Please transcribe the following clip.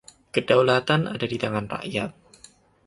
Kedaulatan ada di tangan rakyat.